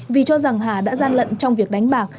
vì cho rằng hà đã gian lận trong việc đánh bạc